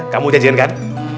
kamu jejen kan